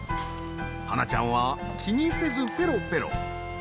芭那ちゃんは気にせずペロペロ。